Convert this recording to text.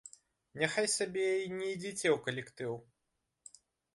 Няхай сабе і не ідзіце ў калектыў.